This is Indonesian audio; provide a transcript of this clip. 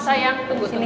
saya sudah lakukan